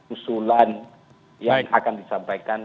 usulan yang akan disampaikan